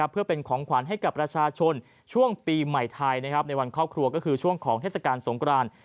เพื่อเป็นของขวัญให้กับประชาชนช่วงปีใหม่ไทยในวันครอบครัวก็คือช่วงของเทศกาลสงคราน